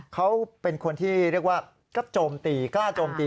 เขาเป็นคนที่เรียกว่ากล้าโจมตีคนอื่น